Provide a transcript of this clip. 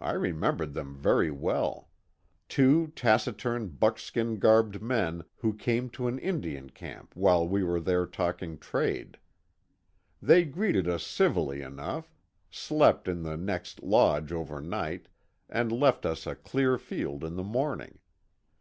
I remembered them very well; two taciturn, buckskin garbed men, who came to an Indian camp while we were there talking trade. They greeted us civilly enough, slept in the next lodge overnight, and left us a clear field in the morning.